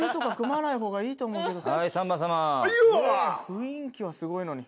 雰囲気はすごいのに。